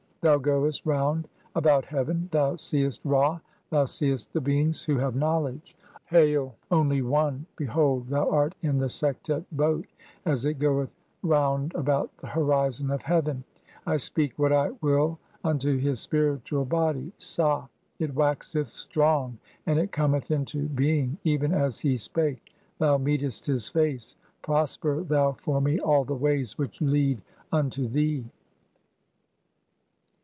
Thou goest round about heaven, thou seest Ra, "thou seest the beings who have knowledge. (7) [Hail,] Only "One! behold, thou art in the Sektet boat [as] it goeth round "about the horizon of heaven. I speak what I will unto his "spiritual body (sab.) ; (8) it waxeth strong and it cometh into "being, even as he spake. Thou meetest his face. Prosper thou "for me all the ways [which lead] unto thee."